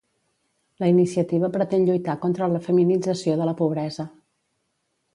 La iniciativa pretén lluitar contra la feminització de la pobresa.